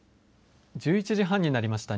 １１時半になりました。